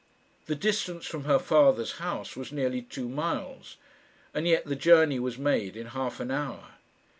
The distance from her father's house was nearly two miles, and yet the journey was made in half an hour.